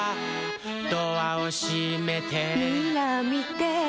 「ドアをしめて」「ミラーみて」